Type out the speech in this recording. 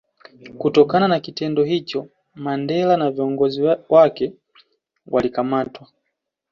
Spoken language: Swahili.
Kutokana na kitendo hicho Mandela na viongozi wenzake walikamatwa